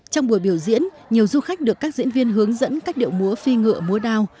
trong buổi biểu diễn nhiều du khách được các diễn viên hướng dẫn cách điệu múa phi ngựa múa đao